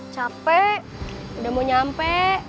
capek udah mau nyampe